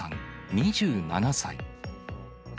２７歳。